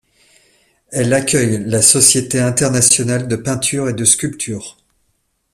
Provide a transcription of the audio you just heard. Elle accueille la Société internationale de peinture et de sculpture.